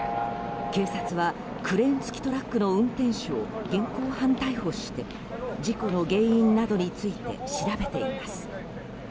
警察は、クレーン付きトラックの運転手を現行犯逮捕して事故の原因などについて調べています。